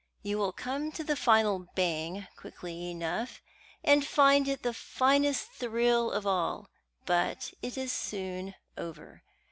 You will come to the final bang quickly enough, and find it the finest thrill of all, but it is soon over.